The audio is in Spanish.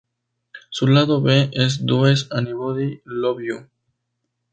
Su Lado-B es "Does Anybody Love You".